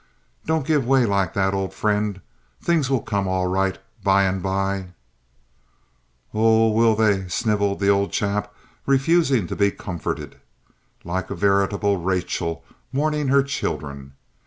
"Don't give way like that, old friend! Things will come all right by and bye." "O o h, will they?" snivelled the old chap, refusing to be comforted, like a veritable Rachel mourning for her children.